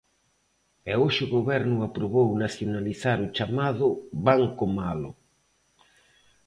E hoxe o Goberno aprobou nacionalizar o chamado 'banco malo'.